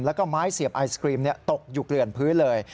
แล้วก็ไม้เสียบไอศครีมตกอยู่เกลื่อนพื้นเลย